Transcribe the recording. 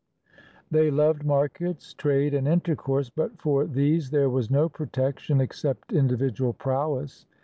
They loved markets, trade, and intercourse, but for these there was no protection except individual prowess.